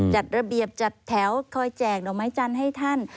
จัดระเบียบจัดแถวคอยแจกดอกไม้จันทร์ให้ท่าน